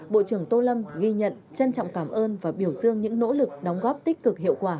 bộ trưởng tô lâm ghi nhận trân trọng cảm ơn và biểu dương những nỗ lực đóng góp tích cực hiệu quả